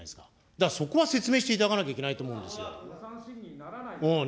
だからそこは説明していただかなきゃいけないと思うんですよ。